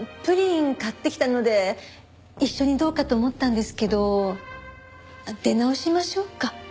プリン買ってきたので一緒にどうかと思ったんですけど出直しましょうか。